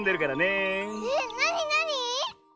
えっなになに？